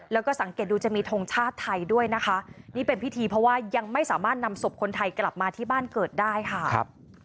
แล้วก็สังเกตดูจะมีทงชาติไทยด้วยนะคะนี่เป็นพิธีเพราะว่ายังไม่สามารถนำศพคนไทยกลับมาที่บ้านเกิดได้ค่ะ